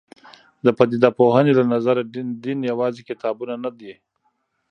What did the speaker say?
د پدیده پوهنې له نظره دین یوازې کتابونه نه دي.